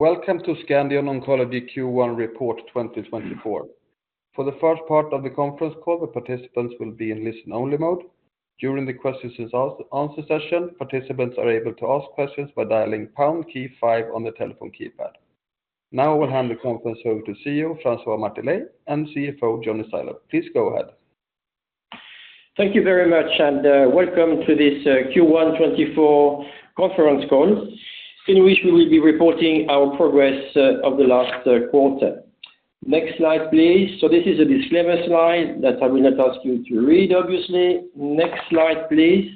Welcome to Scandion Oncology Q1 Report 2024. For the first part of the conference call, the participants will be in listen-only mode. During the questions and answer session, participants are able to ask questions by dialing pound key five on the telephone keypad. Now I will hand the conference over to CEO François Martelet and CFO Johnny Stilou. Please go ahead. Thank you very much, and, welcome to this, Q1 2024 conference call, in which we will be reporting our progress, of the last, quarter. Next slide, please. So this is a disclaimer slide that I will not ask you to read, obviously. Next slide, please.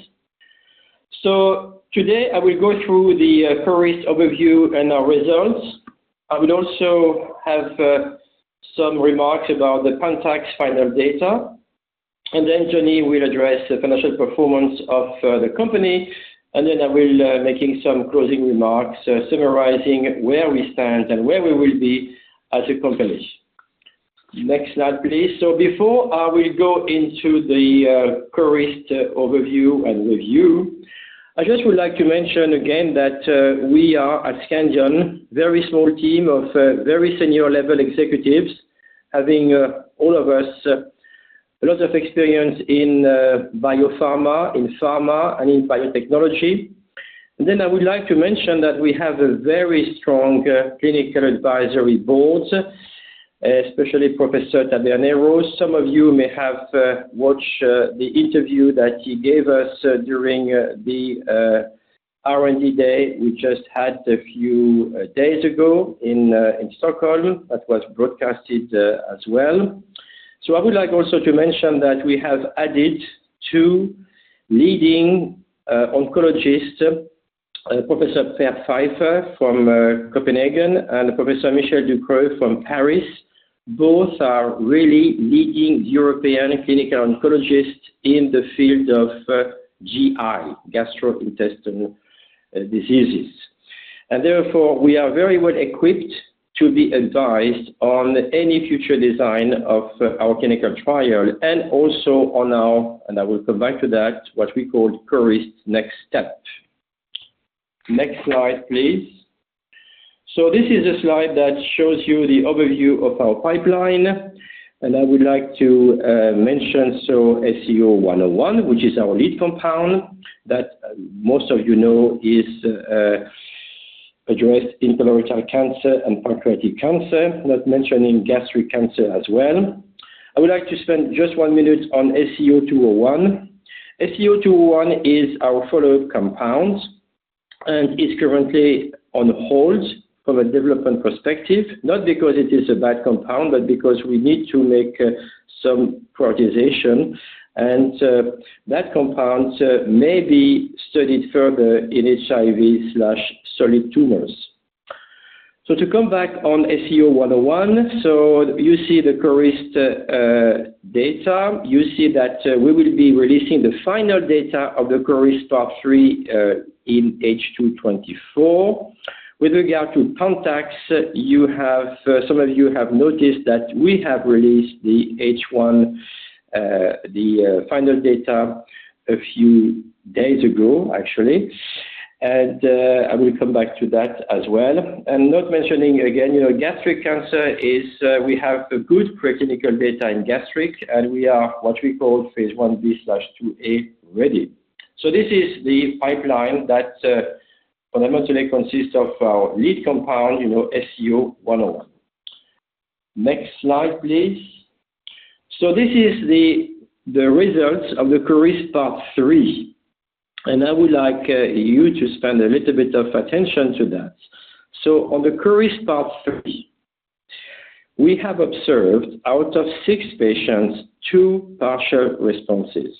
So today I will go through the, CORIST overview and our results. I will also have, some remarks about the PANTAX final data, and then Johnny will address the financial performance of, the company. And then I will, making some closing remarks, summarizing where we stand and where we will be as a company. Next slide, please. So before I will go into the CORIST overview and review, I just would like to mention again that we are at Scandion very small team of very senior level executives, having all of us a lot of experience in biopharma, in pharma, and in biotechnology. And then I would like to mention that we have a very strong clinical advisory board, especially Professor Tabernero. Some of you may have watched the interview that he gave us during the R&D day we just had a few days ago in in Stockholm, that was broadcasted as well. So I would like also to mention that we have added two leading oncologists, Professor Per Pfeiffer from Copenhagen and Professor Michel Ducreux from Paris. Both are really leading European clinical oncologists in the field of GI, gastrointestinal, diseases. And therefore, we are very well equipped to be advised on any future design of our clinical trial, and also on our, and I will come back to that, what we call CORIST Next Step. Next slide, please. So this is a slide that shows you the overview of our pipeline, and I would like to mention, so SCO-101, which is our lead compound, that most of you know is addressed in colorectal cancer and pancreatic cancer, not mentioning gastric cancer as well. I would like to spend just one minute on SCO-201. SCO-201 is our follow-up compound and is currently on hold from a development perspective, not because it is a bad compound, but because we need to make some prioritization. That compound may be studied further in HIV/solid tumors. So to come back on SCO-101, so you see the CORIST data. You see that we will be releasing the final data of the CORIST Part 3 in H2 2024. With regard to PANTAX, some of you have noticed that we have released the H1, the final data a few days ago, actually, and I will come back to that as well. Not mentioning again, you know, gastric cancer is, we have a good preclinical data in gastric, and we are what we call 1b/2a ready. So this is the pipeline that fundamentally consists of our lead compound, you know, SCO-101. Next slide, please. So this is the results of the CORIST Part 3, and I would like you to spend a little bit of attention to that. So on the CORIST Part 3, we have observed, out of six patients, two partial responses,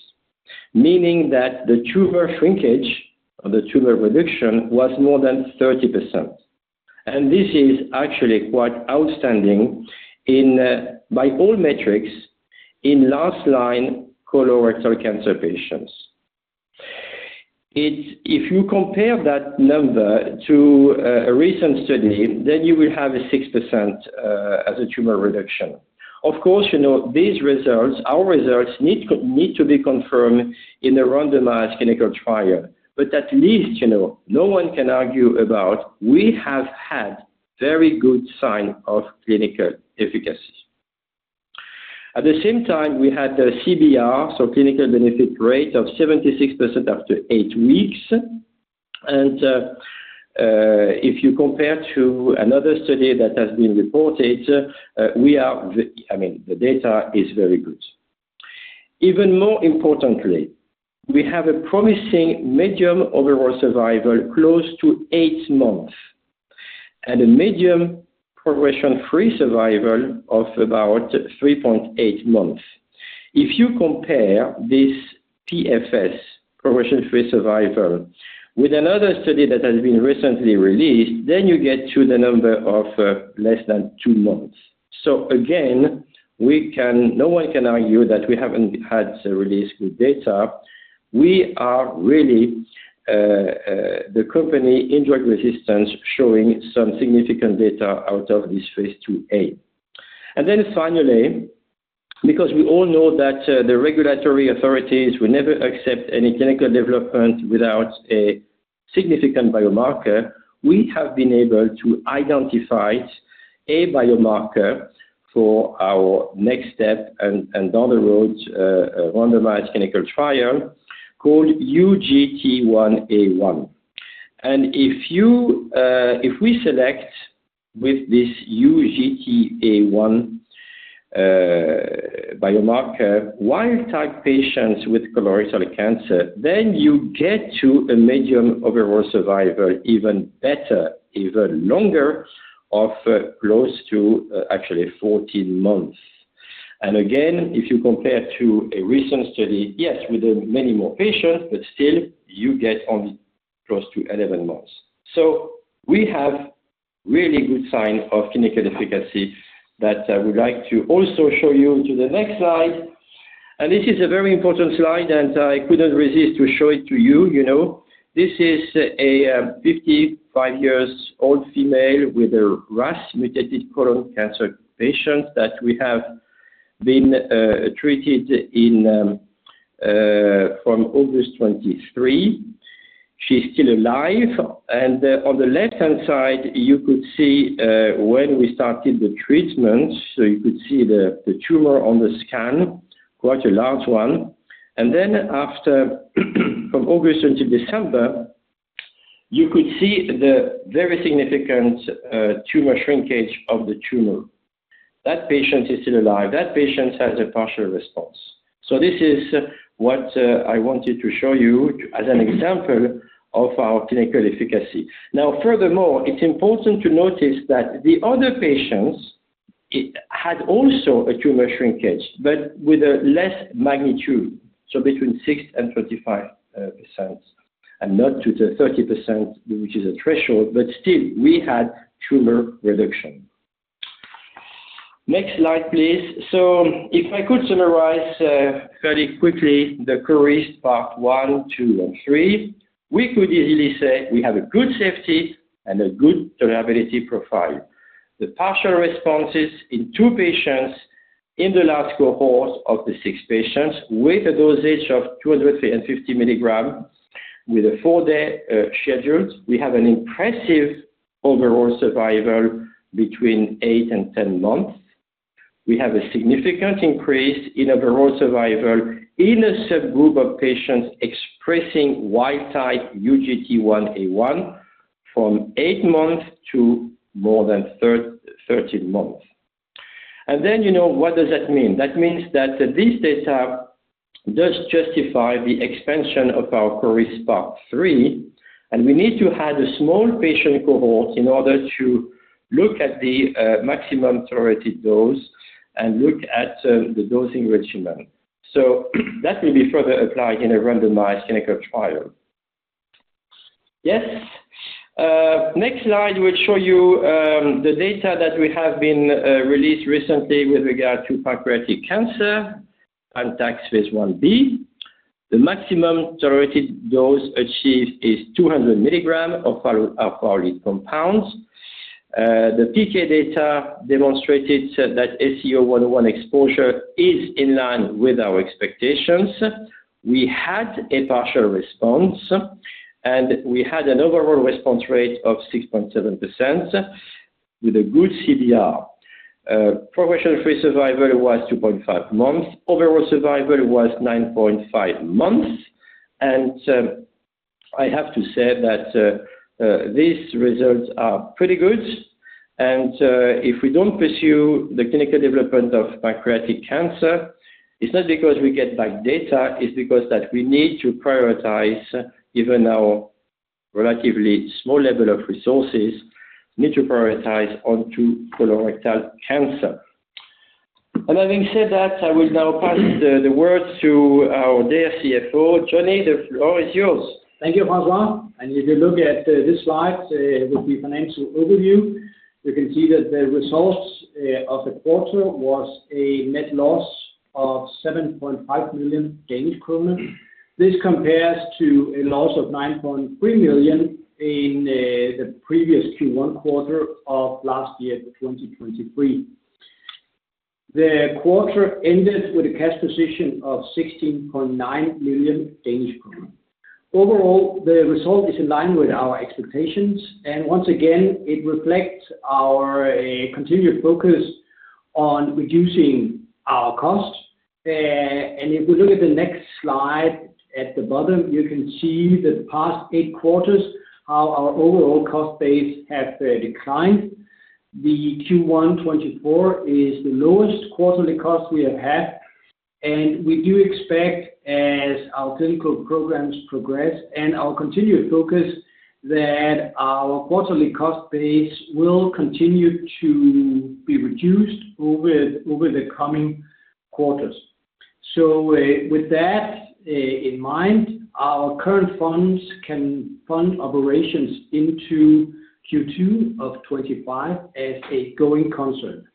meaning that the tumor shrinkage or the tumor reduction was more than 30%. And this is actually quite outstanding in by all metrics in last-line colorectal cancer patients. It's if you compare that number to a recent study, then you will have a 6% as a tumor reduction. Of course, you know, these results, our results, need to be confirmed in a randomized clinical trial. But at least, you know, no one can argue about we have had very good sign of clinical efficacy. At the same time, we had a CBR, so clinical benefit rate, of 76% after 8 weeks. And, if you compare to another study that has been reported, I mean, the data is very good. Even more importantly, we have a promising medium overall survival close to eight months and a medium progression-free survival of about 3.8 months. If you compare this PFS, progression-free survival, with another study that has been recently released, then you get to the number of, less than two months. So again, no one can argue that we haven't had released good data. We are really, the company in drug resistance, showing some significant data out of this Phase IIa. And then finally-... Because we all know that the regulatory authorities will never accept any clinical development without a significant biomarker, we have been able to identify a biomarker for our next step and down the road randomized clinical trial called UGT1A1. And if we select with this UGT1A1 biomarker, wild type patients with colorectal cancer, then you get to a median overall survival, even better, even longer, of close to actually 14 months. And again, if you compare to a recent study, yes, with many more patients, but still you get only close to 11 months. So we have really good signs of clinical efficacy that I would like to also show you to the next slide. And this is a very important slide, and I couldn't resist to show it to you. You know, this is a 55-year-old female with a RAS mutated colon cancer patient that we have been treated in from August 2023. She's still alive. On the left-hand side, you could see when we started the treatment. So you could see the tumor on the scan, quite a large one. Then after, from August until December, you could see the very significant tumor shrinkage of the tumor. That patient is still alive. That patient has a partial response. So this is what I wanted to show you as an example of our clinical efficacy. Now, furthermore, it's important to notice that the other patients, it had also a tumor shrinkage, but with a less magnitude, so between 6% and 25%, and not to the 30%, which is a threshold, but still, we had tumor reduction. Next slide, please. So if I could summarize very quickly the CORIST Part 1, Part 2, and Part 3, we could easily say we have a good safety and a good tolerability profile. The partial responses in two patients in the last cohort of the six patients, with a dosage of 250 milligrams, with a four-day schedule, we have an impressive overall survival between eight months and 10 months. We have a significant increase in overall survival in a subgroup of patients expressing wild type UGT1A1 from 8 months to more than 13 months. And then, you know, what does that mean? That means that this data does justify the expansion of our CORIST part three, and we need to have a small patient cohort in order to look at the maximum tolerated dose and look at the dosing regimen. So that will be further applied in a randomized clinical trial. Yes, next slide will show you the data that we have released recently with regard to pancreatic cancer, PANTAX Phase Ib. The maximum tolerated dose achieved is 200 milligrams of SCO-101. The PK data demonstrated that SCO-101 exposure is in line with our expectations. We had a partial response, and we had an overall response rate of 6.7% with a good CBR. Progression-free survival was 2.5 months. Overall survival was 9.5 months. I have to say that, these results are pretty good. If we don't pursue the clinical development of pancreatic cancer, it's not because we get bad data, it's because that we need to prioritize even our relatively small level of resources, need to prioritize onto colorectal cancer. And having said that, I will now pass the word to our dear CFO. Johnny, the floor is yours. Thank you, François. If you look at this slide with the financial overview, you can see that the results of the quarter was a net loss of 7.5 million Danish kroner. This compares to a loss of 9.3 million in the previous Q1 quarter of last year, 2023. The quarter ended with a cash position of 16.9 million Danish kroner. Overall, the result is in line with our expectations, and once again, it reflects our continued focus on reducing our costs. If we look at the next slide, at the bottom, you can see the past eight quarters, how our overall cost base have declined. The Q1 2024 is the lowest quarterly cost we have had, and we do expect, as our clinical programs progress and our continued focus, that our quarterly cost base will continue to be reduced over the coming quarters. With that in mind, our current funds can fund operations into Q2 of 2025 as a going concern.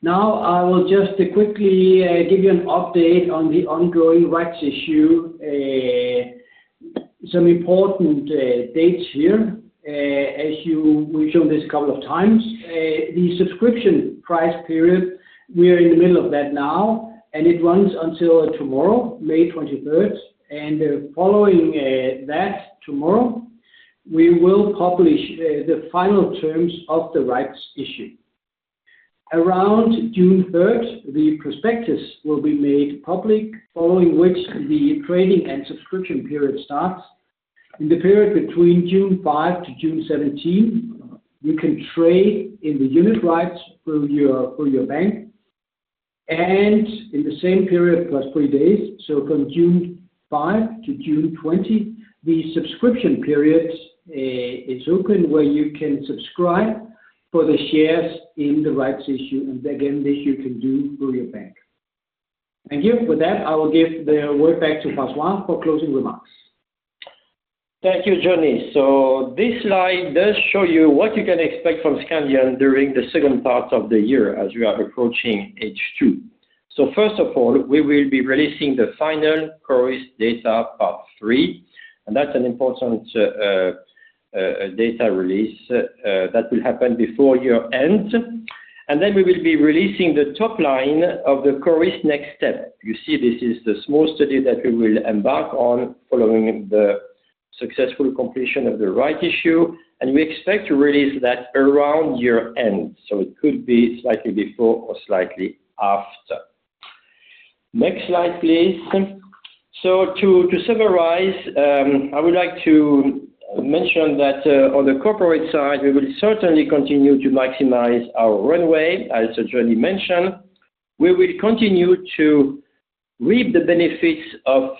Now, I will just quickly give you an update on the ongoing rights issue, some important dates here. As you, we've shown this a couple of times. The subscription price period, we are in the middle of that now, and it runs until tomorrow, May 23rd. Following that tomorrow, we will publish the final terms of the rights issue. Around June 3rd, the prospectus will be made public, following which the trading and subscription period starts. In the period between June 5 to June 17th, you can trade in the unit rights through your, through your bank. In the same period, plus three days, so from June 5 to June 20th, the subscription period is open, where you can subscribe for the shares in the rights issue. Again, this you can do through your bank. Thank you. With that, I will give the word back to François for closing remarks. Thank you, Johnny. So this slide does show you what you can expect from Scandion during the second part of the year, as we are approaching H2. So first of all, we will be releasing the final CORIST data part three, and that's an important data release that will happen before year end. And then we will be releasing the top line of the CORIST next step. You see, this is the small study that we will embark on following the successful completion of the rights issue, and we expect to release that around year end, so it could be slightly before or slightly after. Next slide, please. So to summarize, I would like to mention that on the corporate side, we will certainly continue to maximize our runway, as Johnny mentioned. We will continue to reap the benefits of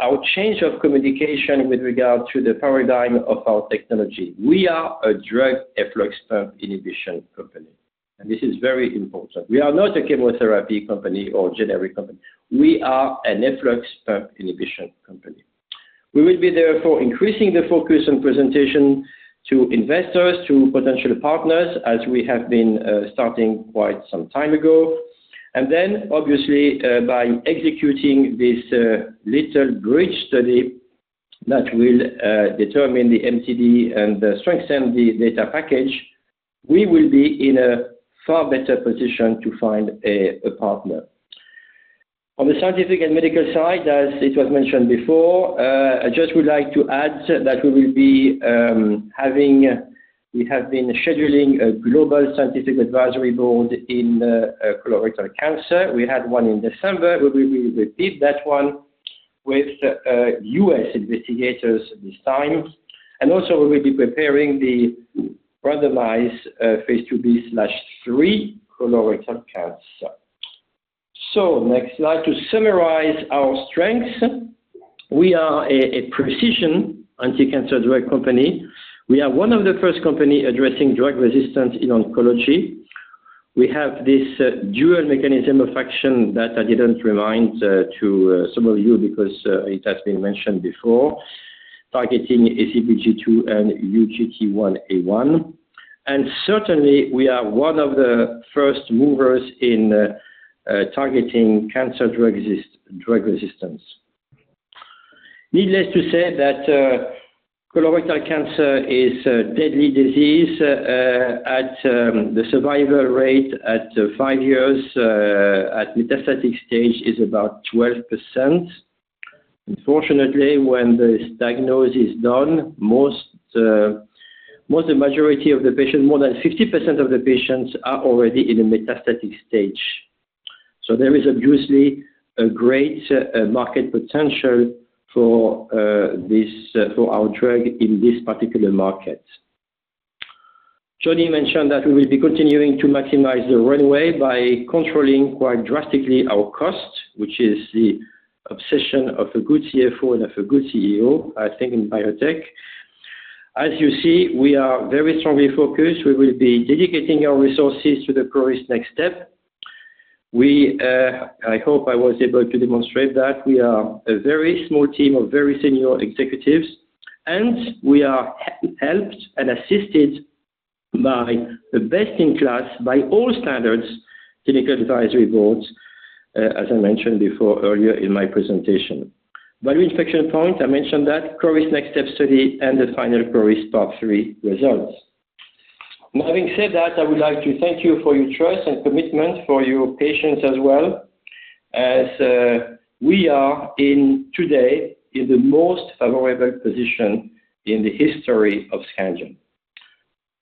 our change of communication with regard to the paradigm of our technology. We are a drug efflux pump inhibition company, and this is very important. We are not a chemotherapy company or generic company. We are an efflux pump inhibition company. We will be therefore increasing the focus on presentation to investors, to potential partners, as we have been starting quite some time ago. And then, obviously, by executing this little bridge study that will determine the MTD and strengthen the data package, we will be in a far better position to find a partner. On the scientific and medical side, as it was mentioned before, I just would like to add that we have been scheduling a global scientific advisory board in colorectal cancer. We had one in December, where we will repeat that one with US investigators this time. And also, we will be preparing the randomized Phase IIb/Phase III colorectal cancer. So next slide, to summarize our strengths. We are a precision anticancer drug company. We are one of the first company addressing drug resistance in oncology. We have this dual mechanism of action that I didn't remind to some of you because it has been mentioned before, targeting ABCG2 and UGT1A1. And certainly, we are one of the first movers in targeting cancer drug resistance. Needless to say that colorectal cancer is a deadly disease at the survival rate at five years at metastatic stage is about 12%. Unfortunately, when this diagnosis is done, most, most the majority of the patients, more than 60% of the patients are already in a metastatic stage. So there is obviously a great, market potential for, this, for our drug in this particular market. Johnny mentioned that we will be continuing to maximize the runway by controlling quite drastically our cost, which is the obsession of a good CFO and of a good CEO, I think, in biotech. As you see, we are very strongly focused. We will be dedicating our resources to the CORIST next step. We, I hope I was able to demonstrate that we are a very small team of very senior executives, and we are helped and assisted by the best-in-class, by all standards, clinical advisory boards, as I mentioned before earlier in my presentation. Value inflection point, I mentioned that CORIST next step study and the final CORIST Part 3 results. Now, having said that, I would like to thank you for your trust and commitment, for your patience as well, as we are today in the most favorable position in the history of Scandion.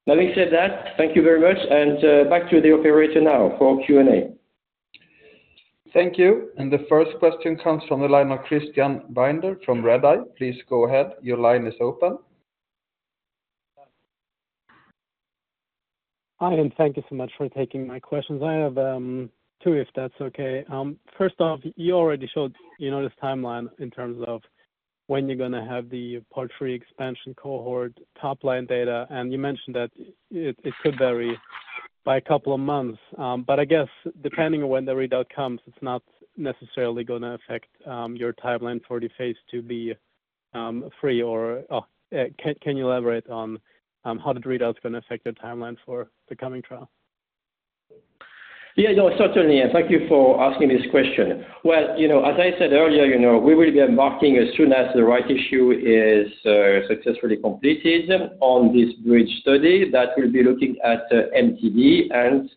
Having said that, thank you very much, and back to the operator now for Q&A. Thank you. The first question comes from the line of Christian Binder from Redeye. Please go ahead. Your line is open. Hi, and thank you so much for taking my questions. I have two, if that's okay. First off, you already showed, you know, this timeline in terms of when you're gonna have the Part 3 expansion cohort top line data, and you mentioned that it could vary by a couple of months. But I guess depending on when the readout comes, it's not necessarily gonna affect your timeline for the Phase IIb, Phase III or... Can you elaborate on how the readout is gonna affect the timeline for the coming trial?... Yeah, no, certainly, and thank you for asking this question. Well, you know, as I said earlier, you know, we will be embarking as soon as the rights issue is successfully completed on this bridge study that will be looking at MTD and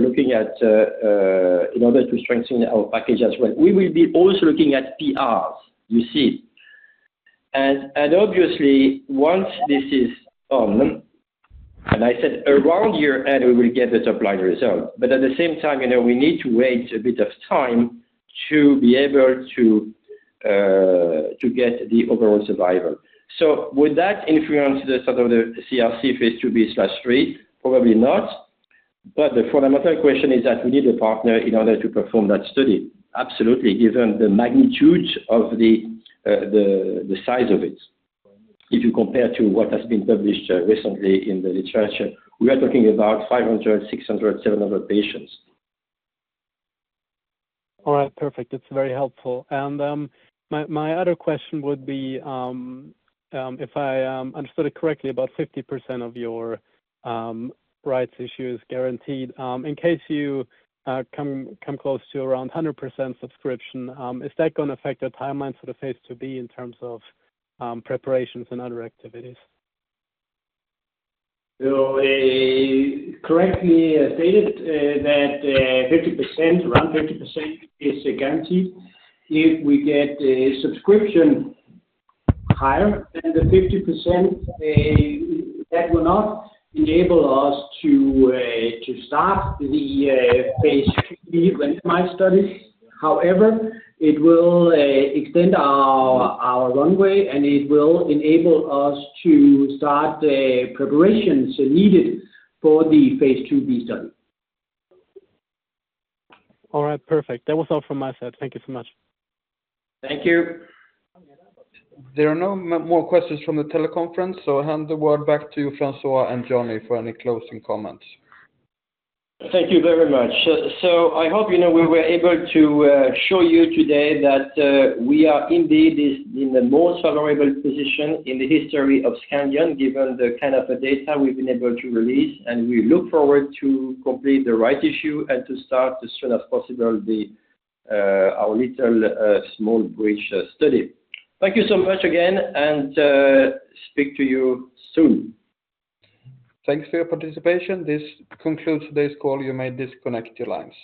looking at in order to strengthen our package as well. We will be also looking at PRs, you see. And obviously, once this is on, and I said around year end, we will get the top line result. But at the same time, you know, we need to wait a bit of time to be able to get the overall survival. So would that influence the sort of the CRC Phase IIb/Phase III? Probably not. But the fundamental question is that we need a partner in order to perform that study. Absolutely, given the magnitude of the size of it. If you compare to what has been published recently in the literature, we are talking about 500 patients, 600 patients, 700 patients. All right. Perfect. That's very helpful. And my other question would be, if I understood it correctly, about 50% of your rights issue is guaranteed. In case you come close to around 100% subscription, is that gonna affect the timeline for the Phase IIb, in terms of preparations and other activities? Correctly stated that 50%, around 50% is a guarantee. If we get a subscription higher than the 50%, that will not enable us to start the Phase II randomized studies. However, it will extend our runway, and it will enable us to start the preparations needed for the phase IIb study. All right. Perfect. That was all from my side. Thank you so much. Thank you. There are no more questions from the teleconference, so I hand the word back to François and Johnny for any closing comments. Thank you very much. So, so I hope, you know, we were able to show you today that we are indeed in the most favorable position in the history of Scandion, given the kind of the data we've been able to release, and we look forward to complete the rights issue and to start as soon as possible our little small bridge study. Thank you so much again, and speak to you soon. Thanks for your participation. This concludes today's call. You may disconnect your lines.